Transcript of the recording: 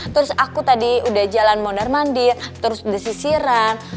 terus aku tadi udah jalan mondar mandi terus udah sisiran